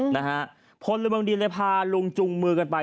นะฮะพลบังดินและพาลุงจุงมือกันไป